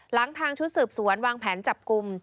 หลังทางชุดสืบสวนวางแผนจับกลุ่ม